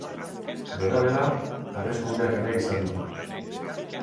Dena dela, arrisku uneak ere izan ditu.